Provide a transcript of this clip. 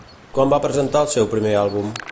Quan va presentar el seu primer àlbum?